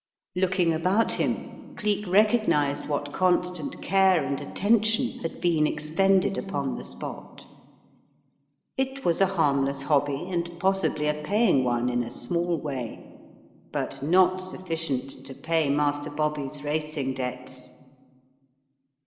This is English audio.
Looking about him Cleek recognized what constant care and atten tion had been expended upon the spot. It was a harmless hobby and possibly a paying one in a small way, but not sufficient to pay Master Bobby's racing debts.